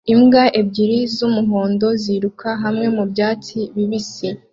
Imbwa ebyiri z'umuhondo ziruka hamwe mu byatsi bibisi